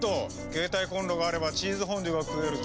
携帯コンロがあればチーズフォンデュが食えるぞ。